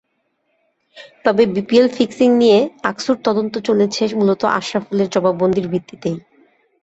তবে BPL fixing নিয়ে আকসুর তদন্ত চলেছে মূলত আশরাফুলের জবানবন্দির ভিত্তিতেই।